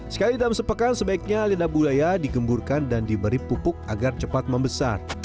sekali dalam sepekan sebaiknya lidah buaya digemburkan dan diberi pupuk agar cepat membesar